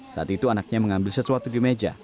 saat itu anaknya mengambil sesuatu di meja